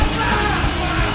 gak ada masalah